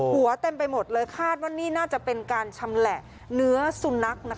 หัวเต็มไปหมดเลยคาดว่านี่น่าจะเป็นการชำแหละเนื้อสุนัข